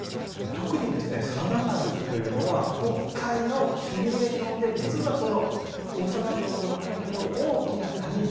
特にですね真田丸というのは今回のシミュレーションで実は大坂城との間の大きな谷に。